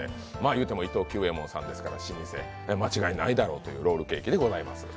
いうても伊藤久右衛門さんですから、間違いないだろうというロールケーキでございます。